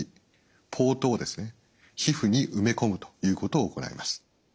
皮膚に埋め込むということを行います。